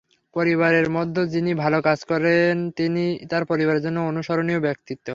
পরিবারের মধ্যে যিনি ভালো করেন তিনি তার পরিবারের জন্য অনুসরণীয় ব্যক্তিত্ব।